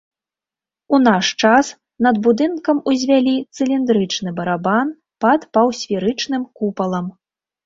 У наш час над будынкам узвялі цыліндрычны барабан пад паўсферычным купалам.